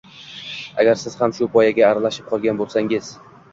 Agar siz ham shu poygaga aralashib qolgan bo’lsangiz